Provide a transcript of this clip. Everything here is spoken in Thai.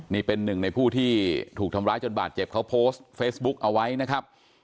นี่เป็นหนึ่งในผู้ที่ถูกทำร้ายจนบาดเจ็บเขาโพสต์เฟซบุ๊กเอาไว้นะครับ